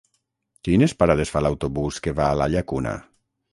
Quines parades fa l'autobús que va a la Llacuna?